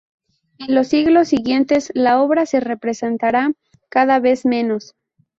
En los siglos siguientes, la obra se representará cada Vez menos.